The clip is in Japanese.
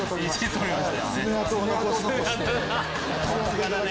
さすがだね。